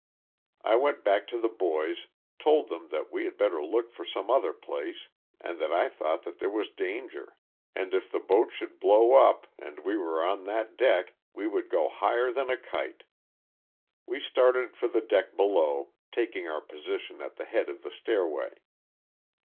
I went back to the boys, told them that we had better look for some other place and that I thought that there was danger; and if the boat should blow up and we were on that deck we would go higher than a kite. We started for the deck below, taking our position at the head of the stairway.